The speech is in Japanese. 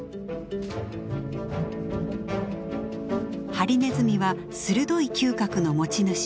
ハリネズミは鋭い嗅覚の持ち主。